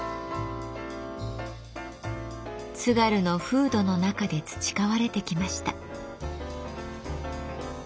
津軽の風土の中で培われてきました。